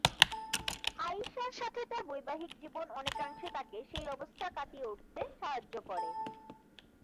আয়িশার সাথে তার বৈবাহিক জীবন অনেকাংশে তাকে সেই অবস্থা কাটিয়ে উঠতে সাহায্য করে।